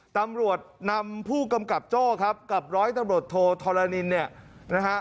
ตำรวจนำผู้กำกับโจ้กับร้อยตำรวจโทรธรณิน